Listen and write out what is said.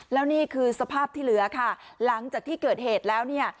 แล้วนี่คือสภาพที่เหลือค่ะหลังจากที่เกิดเหตุแล้วเนี่ย